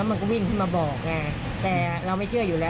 มันก็วิ่งขึ้นมาบอกไงแต่เราไม่เชื่ออยู่แล้ว